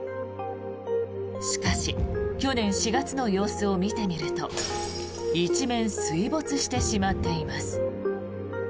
しかし、去年４月の様子を見てみると一面、水没してしまっています。